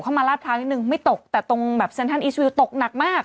เข้ามาลาดพลาดนิดหนึ่งไม่ตกแต่ตรงแบบเซ็นทันอีสวิวตกหนักมาก